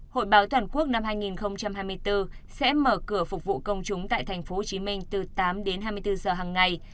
hội báo toàn quốc năm hai nghìn hai mươi bốn sẽ mở cửa phục vụ công chúng tại tp hcm từ tám đến hai mươi bốn giờ hằng ngày